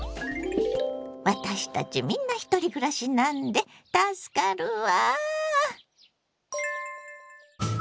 私たちみんなひとり暮らしなんで助かるわ。